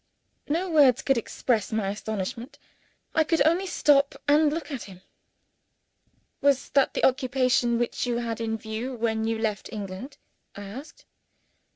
No words could express my astonishment. I could only stop, and look at him. "Was that the occupation which you had in view when you left England?" I asked.